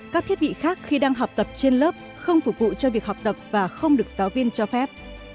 các thiết bị khác khi đang học tập trên lớp không phục vụ cho việc học tập và không được giáo viên cho phép